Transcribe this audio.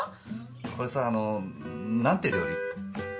これさあの何て料理？